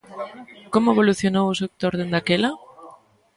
Como evolucionou o sector dende aquela?